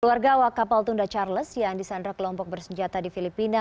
keluarga awak kapal tunda charles yang disandra kelompok bersenjata di filipina